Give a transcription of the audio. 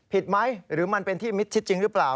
ผิดไหมหรือมันเป็นที่มิดชิดจริงหรือเปล่า